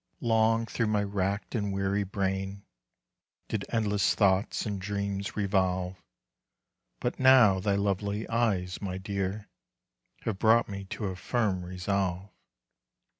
Long through my racked and weary brain Did endless thoughts and dreams revolve; But now thy lovely eyes, my dear, Have brought me to a firm resolve.